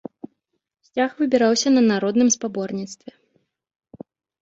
Сцяг выбіраўся на народным спаборніцтве.